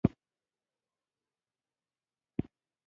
موخه یې د ژوند ښه والی دی.